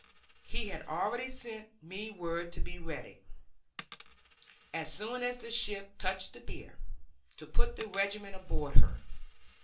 He had already sent me word to be ready, as soon as the ship touched the pier, to put the regiment aboard her.